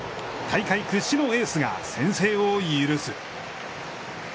大会屈指のエースが先制を許す。